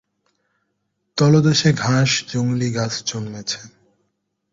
তলদেশে ঘাস জংলি গাছ জন্মেছে।